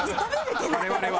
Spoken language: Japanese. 我々は。